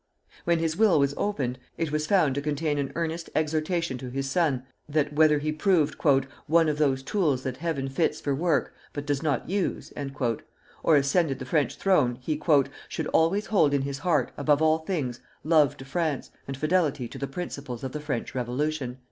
When his will was opened, it was found to contain an earnest exhortation to his son that, whether he proved "one of those tools that Heaven fits for work, but does not use," or ascended the French throne, he "should always hold in his heart, above all things, love to France, and fidelity to the principles of the French Revolution."